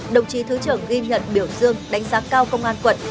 đồng chí thứ trưởng ghi nhận biểu dương đánh giá cao công an quận